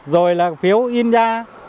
rồi là phiếu in ra